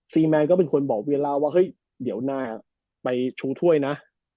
แมนก็เป็นคนบอกเวลาว่าเฮ้ยเดี๋ยวนาไปชูถ้วยนะ